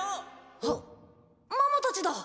あっママたちだ！